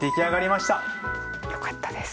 よかったです。